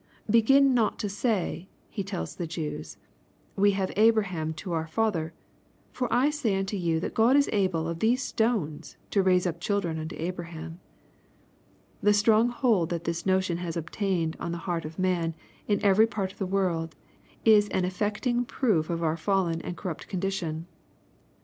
" Begin not to say," he tells the Jews, "we have Abraham to our Father; for I say unto you that God is able of these stones to raise up children unto Abraham." The strong hold that this notion has obtained on the heart of man, in every part of the world, is an affecting proof of our fallen and corrupt condition.